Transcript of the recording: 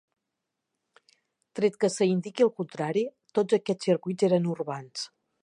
Tret que s'indiqui el contrari, tots aquests circuits eren urbans.